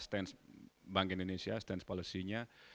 stans bank indonesia stans polusinya